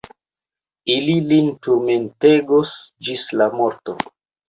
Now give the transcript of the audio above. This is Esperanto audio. Ili lin turmentegos ĝis la morto.